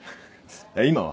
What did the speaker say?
今は？